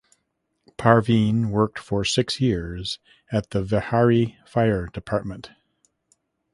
Parveen worked for six years at the Vehari Fire Department.